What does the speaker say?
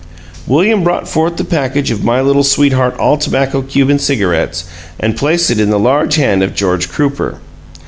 William brought forth the package of My Little Sweetheart All Tobacco Cuban Cigarettes and placed it in the large hand of George Crooper.